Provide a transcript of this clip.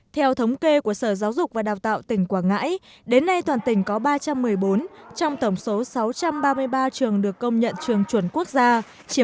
theo thống kê của sở giáo dục và đào tạo tỉnh quảng ngãi đến nay toàn tỉnh có ba trăm một mươi bốn trong tổng số sáu trăm ba mươi ba trường được công nhận trường chuẩn quốc gia